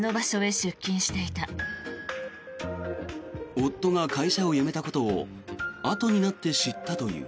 夫が会社を辞めたことをあとになって知ったという。